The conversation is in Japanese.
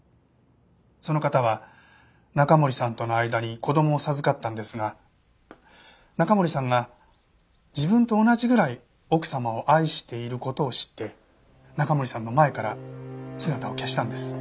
その方は中森さんとの間に子供を授かったんですが中森さんが自分と同じぐらい奥様を愛している事を知って中森さんの前から姿を消したんです。